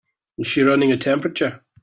Is she running a temperature?